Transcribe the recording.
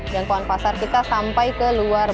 jangkauan pasar kita sampai ke luar